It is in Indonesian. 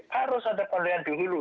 harus ada penilaian di hulu